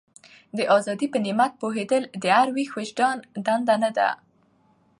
د ازادۍ په نعمت پوهېدل د هر ویښ وجدان دنده ده.